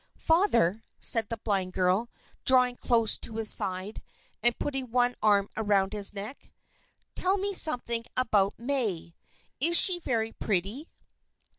"Father," said the blind girl, drawing close to his side, and putting one arm around his neck, "tell me something about May. Is she very pretty?"